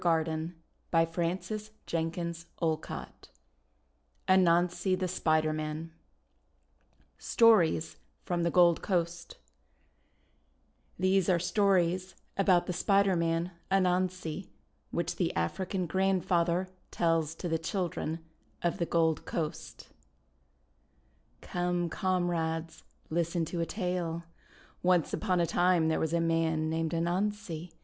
Paraphrased by ADA M. SKINNER ANANSI THE SPIDER MAN Stories from the Gold Coast THESE are stories about the Spider Man, Anansi, which the African Grandfather tells to the chil dren of the Gold Coast: — Come, comrades, listen to a tale. Once upon a time there was a man named Anansi.